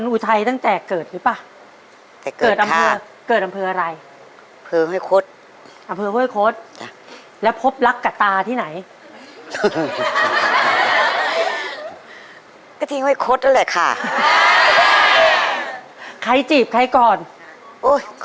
อุ๊ยขอมาจีบเอง